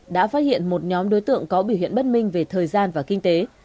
đã phát hiện một nhóm đối tượng có biểu hiện bất minh về thời gian và kinh tế